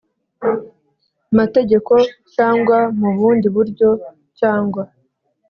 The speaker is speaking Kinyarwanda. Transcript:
Mategeko cyangwa mu bundi buryo cyangwa